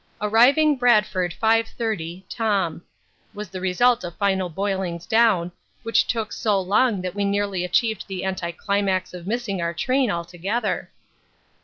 "Arriving Bradford five thirty, Tom," was the result of final boilings down, which took so long that we nearly achieved the anticlimax of missing our train altogether.